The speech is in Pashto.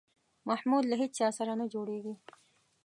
محمود له هېچا سره نه جوړېږي.